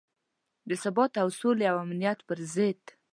د ثبات او سولې او امنیت پر ضد.